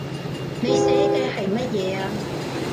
你寫嘅係乜嘢呀